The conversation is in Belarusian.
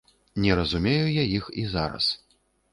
Не разумею я іх і зараз.